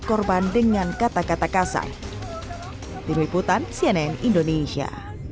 korban dengan kata kata kasar diwiputan cnn indonesia